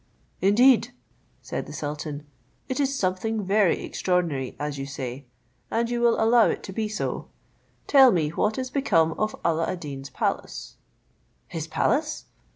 "Indeed," said the sultan, "it is something very extraordinary, as you say, and you will allow it to be so: tell me what is become of Alla ad Deen's palace?" "His palace!"